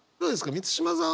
満島さん。